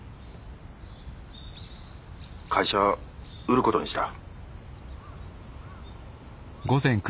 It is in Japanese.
☎会社売ることにした。